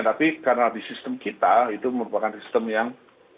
tapi karena di sistem kita itu merupakan sistem yang